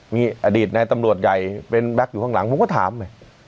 มีอดีตในตำรวจใหญ่เป็นแก๊กอยู่ข้างหลังผมก็ถาม